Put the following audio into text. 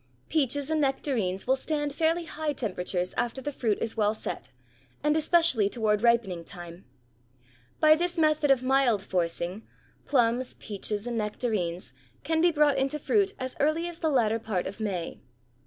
Peaches and nectarines will stand fairly high temperatures after the fruit is well set and especially toward ripening time. By this method of mild forcing, plums, peaches, and nectarines can be brought into fruit as early as the latter part of May.